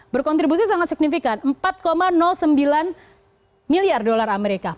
berkontribusi sangat signifikan empat sembilan miliar dolar amerika